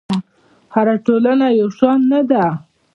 هره ټولنه یو شان نه ده.